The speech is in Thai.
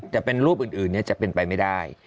แต่เป็นรูปอื่นจะเป็นไปไม่ได้